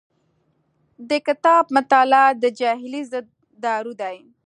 د کتاب مطالعه د جاهلۍ ضد دارو دی.